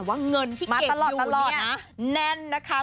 แต่ว่าเงินที่เก็บอยู่นี่แน่นนะคะ